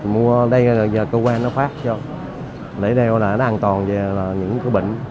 mua đây là cơ quan nó phát cho để đeo là nó an toàn về những cái bệnh